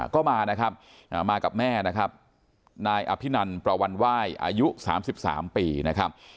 ก็มานะครับมากับแม่นะครับนายอภินันประวันไหว้อายุ๓๓ปีนะครับ